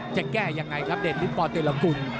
จะแก้ยังไงครับเดชลิศปอล์เตรียมละกุล